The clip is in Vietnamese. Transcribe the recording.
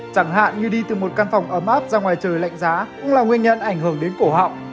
chẳng hạn như đi từ một căn phòng ấm áp ra ngoài trời lạnh giá cũng là nguyên nhân ảnh hưởng đến cổ họng